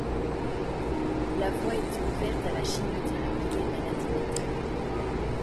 La voie était ouverte à la chimiothérapie des maladies mentales.